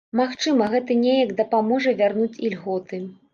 Магчыма, гэта неяк дапаможа вярнуць ільготы.